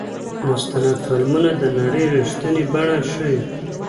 مستند فلمونه د نړۍ رښتینې بڼه ښيي.